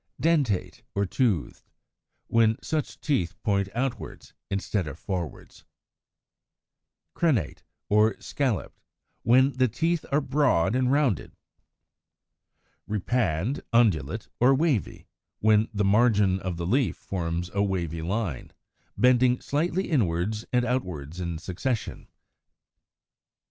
Dentate, or Toothed, when such teeth point outwards, instead of forwards; as in Fig. 143. Crenate, or Scalloped, when the teeth are broad and rounded; as in Fig. 144. Repand, Undulate, or Wavy, when the margin of the leaf forms a wavy line, bending slightly inwards and outwards in succession; as in Fig.